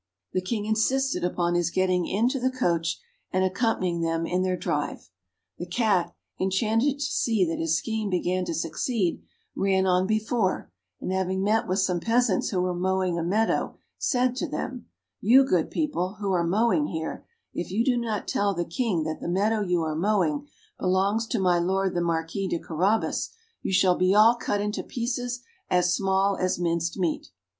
The King insisted upon his getting into the coach, and accompanying them in their drive. The Cat, enchanted to see that his scheme began to succeed, ran on before, and having met with some peasants who were mowing a meadow, said to them, "You, good people, who are mowing here, if you do not tell the King that the meadow you are mowing belongs to my Lord the Marquis de Carabas, you shall be all cut into pieces as small as minced meat!"